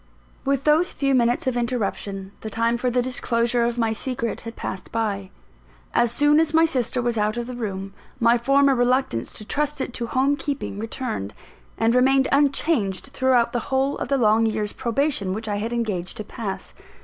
With those few minutes of interruption, the time for the disclosure of my secret had passed by. As soon as my sister was out of the room, my former reluctance to trust it to home keeping returned, and remained unchanged throughout the whole of the long year's probation which I had engaged to pass.